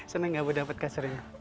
senang gak bu dapat kasurnya